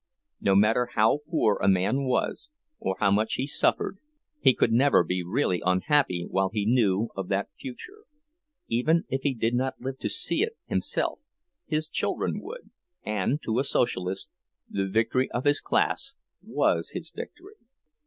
No matter how poor a man was, or how much he suffered, he could never be really unhappy while he knew of that future; even if he did not live to see it himself, his children would, and, to a Socialist, the victory of his class was his victory.